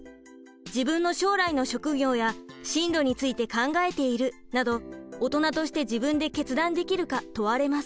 「自分の将来の職業や進路について考えている」などオトナとして自分で決断できるか問われます。